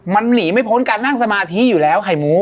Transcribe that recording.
มันหนีไม่พ้นการนั่งสมาธิอยู่แล้วไข่หมู